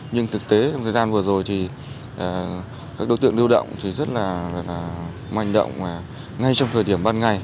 nhưng thực tế trong thời gian vừa rồi thì các đối tượng lưu động thì rất là manh động ngay trong thời điểm ban ngày